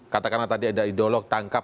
katakanlah tadi ada idolog tangkap